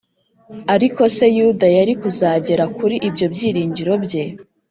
ariko se yuda yari kuzagera kuri ibyo byiringiro bye?